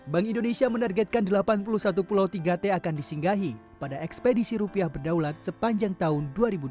bank indonesia menargetkan delapan puluh satu pulau tiga t akan disinggahi pada ekspedisi rupiah berdaulat sepanjang tahun dua ribu dua puluh